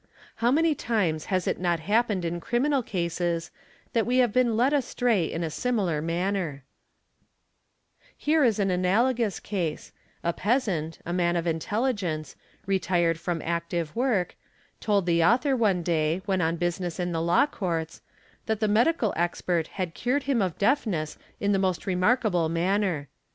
How many times has it not happened in _ criminal cases that we have been led astray in a similar manner®, : Here is an analogous case, a peasant, a man of intelligence, retired f from active work, told the author one day when on business in the Law Courts, that the medical expert had cured him of deafness in the most ~ remarkable manner.